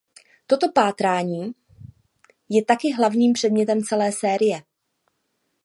Toto pátrání je taky hlavním předmětem celé série.